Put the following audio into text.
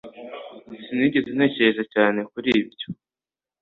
Sinigeze ntekereza cyane kuri byo